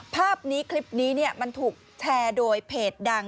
ภาพนี้คลิปนี้มันถูกแชร์โดยเพจดัง